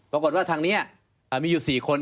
ปรากฏว่าทางนี้มีอยู่๔คน